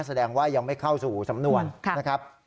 แสดงว่ายังไม่เข้าสู่สำนวนนะครับ